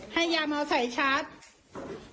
ให้ยามาใส่ชาร์จ